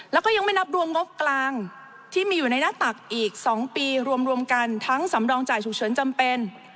แล้วก็ยังไม่นับรวมงบกลางที่มีอยู่ในหน้าตักอีก๒ปีรวมกันทั้งสำรองจ่ายฉุกเฉินจำเป็น